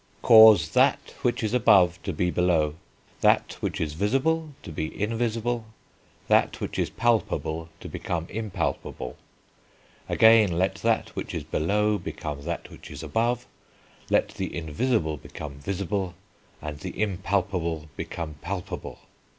"Cause that which is above to be below; that which is visible to be invisible; that which is palpable to become impalpable. Again let that which is below become that which is above; let the invisible become visible, and the impalpable become palpable.